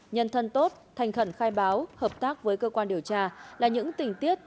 nhân thân tốt thành khẩn khai báo hợp tác với cơ quan điều tra là những tình tiết